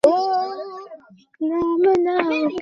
অন্য প্রাণায়ামগুলিতে চিন্তার সংস্রব নাই।